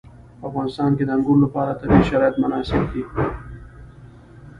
په افغانستان کې د انګور لپاره طبیعي شرایط مناسب دي.